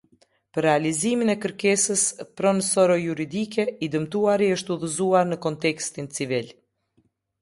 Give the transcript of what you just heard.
Për realizimin e kërkesës pronësoro juridike, i dëmtuari është udhëzuar në kontestin civil.